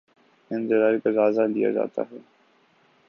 ان دلائل کا جائزہ لیا جاتا ہے۔